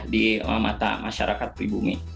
di mata masyarakat pribumi